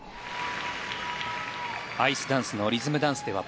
アイスダンスのリズムダンスでは